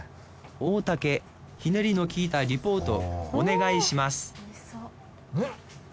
大竹ひねりのきいたリポートお願いします美味しそう。